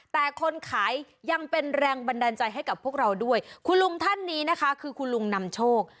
แต่คนขายยังเป็นแรงบันดาลใจให้กับพวกเราด้วยคุณลุงท่านนี้นะคะคือคุณลุงนำโชค